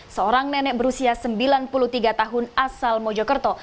seorang nenek berusia sembilan puluh tiga tahun asal mojokerto